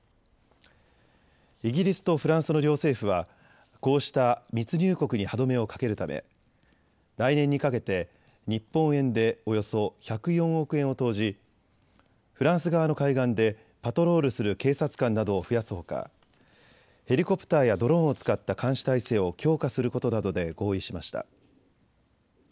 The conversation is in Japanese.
イギリスとフランスの両政府はこうした密入国に歯止めをかけるため来年にかけて日本円でおよそ１０４億円を投じフランス側の海岸でパトロールする警察官などを増やすほか、ヘリコプターやドローンを使った監視態勢を強化することなどで合意しました。